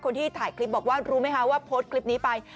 คนที่ถ่ายคลิปบอกว่ารู้ไหมคะว่าโพสต์คลิปนี้ไป